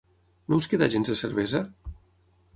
No us queda gens de cervesa?